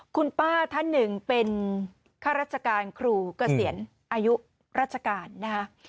คุณป้าท่านหนึ่งเป็นข้าราชการครูเกษียณอายุราชการนะคะ